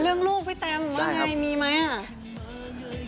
เรื่องลูกพี่เต็มว่าอย่างไรมีไหมอ่ะใช่ครับ